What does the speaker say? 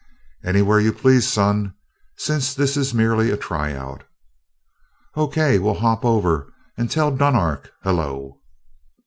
"Anywhere you please, son, since this is merely a try out." "O. K. We'll hop over and tell Dunark hello."